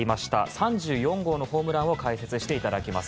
３４号のホームランを解説していただきます。